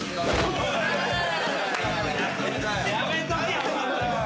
やめとけ。